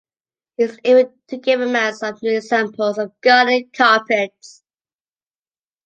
He is able to give a mass of new examples of garden carpets.